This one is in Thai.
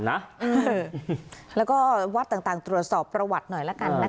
แล้วก็วัดต่างตรวจสอบประวัติหน่อยละกันนะคะ